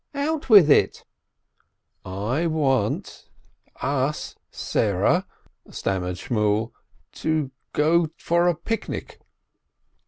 "Out with it!" "I — want us, Sarah," stammered Shmuel, — "to go for a picnic."